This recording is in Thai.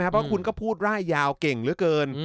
เพราะคุณก็พูดร่ายยาวเก่งเหลือเกิน